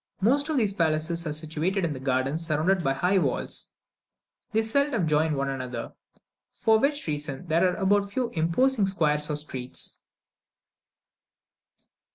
Most of these palaces are situated in gardens surrounded by high walls; they seldom join one another, for which reason there are but few imposing squares or streets.